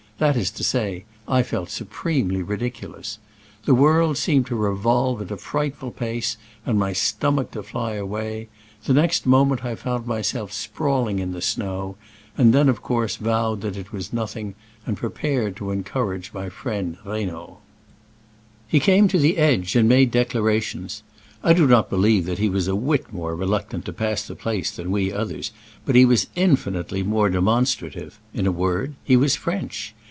That is to say, I felt supremely ridiculous. The world seemed to revolve at a fright ful pace and my stomach to fly away. The next moment I found myself sprawl ing in the snow, and then, of course, vowed that it was nothing, and prepared to encourage my friend Reynaud. He came to the edge and made decla rations. I do upt believe that he was a whit more reluctant to pass the place than we others, but he was infinitely more demonstrative : in a word, he was French.